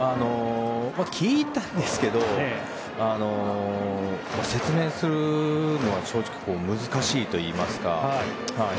聞いたんですけど説明するのが正直、難しいといいますか。